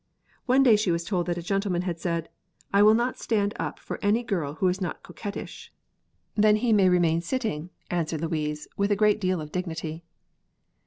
One day she was told that a gentleman had said, "I will not stand up for any girl who is not a little coquettish!" "Then he may remain sitting!" answered Louise, with a great deal of dignity.